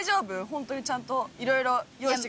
ホントにちゃんといろいろ用意してくれてる？